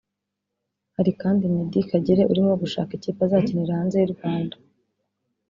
Hari kandi Meddie Kagere urimo gushaka ikipe azakinira hanze y’u Rwanda